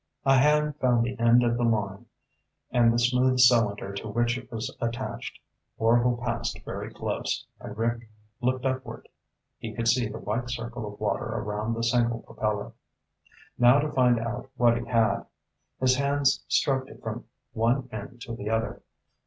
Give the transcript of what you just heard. A hand found the end of the line and the smooth cylinder to which it was attached. Orvil passed very close, and Rick looked upward. He could see the white circle of water around the single propeller. Now to find out what he had. His hands stroked it from one end to the other.